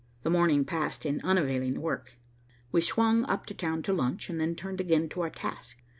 The morning passed in unavailing work. We swung up town to lunch, and then turned again to our task.